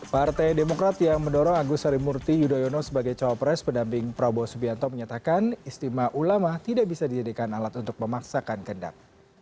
partai demokrat yang mendorong agus sarimurti yudhoyono sebagai cawapres pendamping prabowo subianto menyatakan istimewa ulama tidak bisa dijadikan alat untuk memaksakan kendak